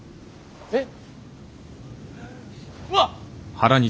えっ？